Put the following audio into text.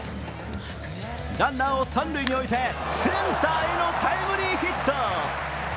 ランナーを三塁に置いてセンターへのタイムリーヒット。